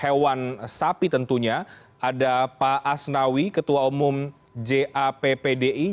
hewan sapi tentunya ada pak asnawi ketua umum jappdi